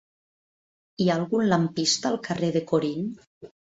Hi ha algun lampista al carrer de Corint?